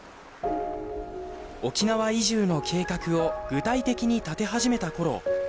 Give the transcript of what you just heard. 沖縄移住の計画を具体的に立て始めたころ